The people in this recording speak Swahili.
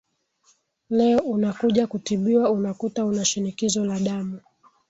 leo unakuja kutibiwa unakuta una shinikizo la damu